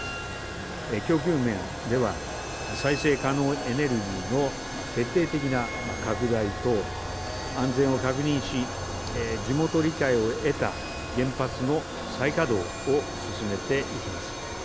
供給面では、再生可能エネルギーの徹底的な拡大と安全を確認し、地元理解を得た原発の再稼働を進めていきます。